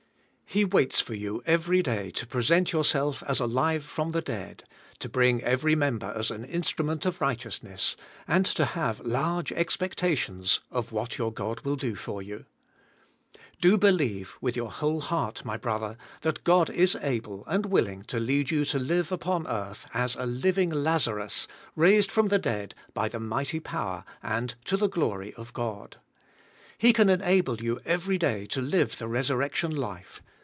He waits for you every day to present yourself as alive from the dead; to bring every mem ber as an instrument of righteousness, and to have large expectations of what your God will do for you. 208 THE SPIRITUAL LIFE. Do believe with your whole heart, my brother, that God is able and willing to lead you to live upon earth as a living" Lazarus, raised from the dead by the mighty power and to the glory of God. He can enable you every day to live the resurrection life.